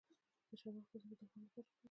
د چارمغز پوستکی د غاښونو لپاره وکاروئ